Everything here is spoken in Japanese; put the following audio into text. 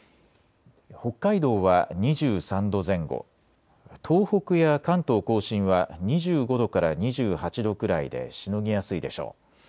北海道は２３度前後、東北や関東甲信は２５度から２８度くらいでしのぎやすいでしょう。